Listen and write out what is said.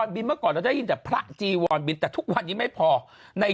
บินเมื่อก่อนเราได้ยินแต่พระจีวรบินแต่ทุกวันนี้ไม่พอใน